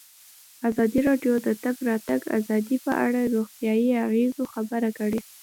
ازادي راډیو د د تګ راتګ ازادي په اړه د روغتیایي اغېزو خبره کړې.